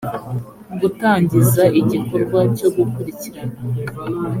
gutangiza igikorwa cyo gukurikirana